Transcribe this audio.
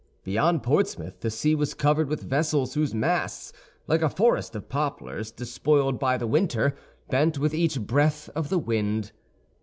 Beyond Portsmouth the sea was covered with vessels whose masts, like a forest of poplars despoiled by the winter, bent with each breath of the wind.